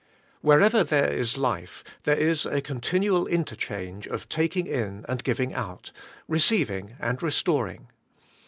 WHEREVER there is life, there is a continual in terchange of taking in and giving out, receiv ing and restoring.